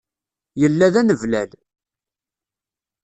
Yella d aneblal.